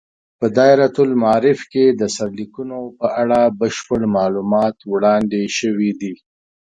په دایرة المعارف کې د سرلیکونو په اړه بشپړ معلومات وړاندې شوي دي.